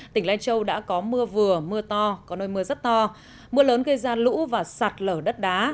tỉnh lai châu đã có mưa vừa mưa to có nơi mưa rất to mưa lớn gây ra lũ và sạt lở đất đá